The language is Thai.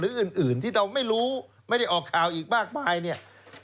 หรืออื่นที่เราไม่รู้ไม่ได้ออกข่าวอีกมากมาย